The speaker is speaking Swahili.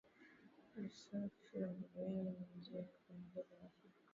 Usafi wa mazingira ni njia ya kuendeleza afya